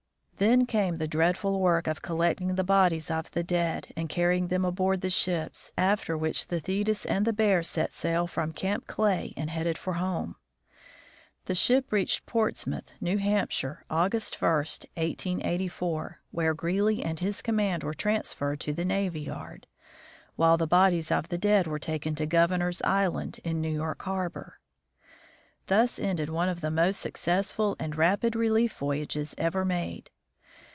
Then came the dreadful work of collecting the bodies of the dead and carrying them aboard the ships, after which the Thetis and the Bear set sail from Camp Clay and headed for home. The ship reached Portsmouth, New Hampshire, August i, 1884, where Greely and his command were trans ferred to the navy yard, while the bodies of the dead were taken to Governor's island in New York harbor. Thus ended one of the most successful and rapid relief voyages ever made.